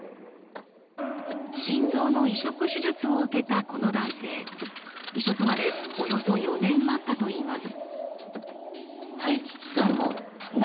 心臓の移植手術を受けたこの男性移植までおよそ４年待ったといいます。